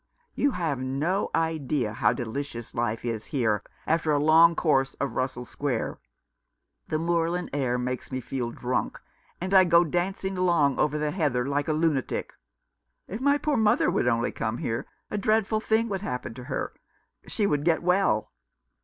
You have no idea how delicious life is here after a long course of Russell Square. The moorland air makes me feel drunk, and I go dancing along over the heather like a lunatic. If my poor mother would only come here, a dreadful thing would happen to her. She would get well."